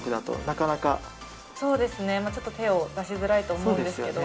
そうですね、ちょっと手を出しづらいと思うんですけど。